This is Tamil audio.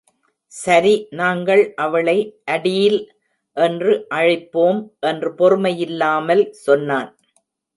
"சரி, நாங்கள் அவளை அடீல் என்று அழைப்போம்" என்று பொறுமையில்லாமல் சொன்னான்.